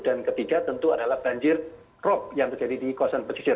dan ketiga tentu adalah banjir rop yang terjadi di kawasan pesisir